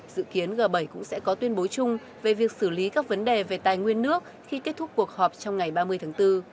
dự kiến g bảy cũng sẽ có tuyên bố chung về việc xử lý các vấn đề về tài nguyên nước khi kết thúc cuộc họp trong ngày ba mươi tháng bốn